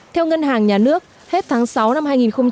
theo ngân hàng nhà nước hết tháng sáu năm hai nghìn một mươi chín